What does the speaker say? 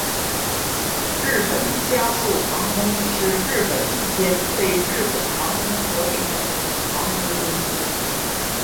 日本佳速航空是日本一间被日本航空合并的航空公司。